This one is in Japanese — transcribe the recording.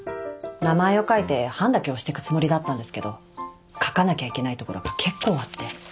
名前を書いて判だけ押してくつもりだったんですけど書かなきゃいけない所が結構あって。